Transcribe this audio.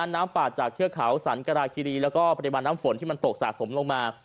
น้ำป่าจากเทือกเขาสันกราคิรีแล้วก็ปริมาณน้ำฝนที่มันตกสะสมลงมา